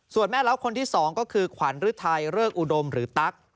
ส่วนแม่เล้าคนที่๒ก็คือขวัญฤทัยเริกอุดมหรือตั๊ก